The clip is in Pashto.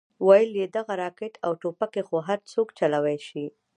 ويې ويل دغه راکټ او ټوپکې خو هرسوک چلوې شي.